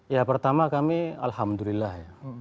ya pertama kami alhamdulillah ya